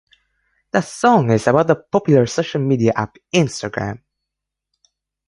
The song is about the popular social media app Instagram.